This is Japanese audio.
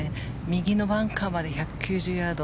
右のバンカーまで１９０ヤード。